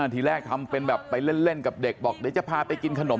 ทีแรกทำเป็นแบบไปเล่นกับเด็กบอกเดี๋ยวจะพาไปกินขนม